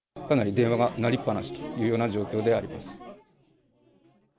かなり電話が鳴りっ放しという状況であります。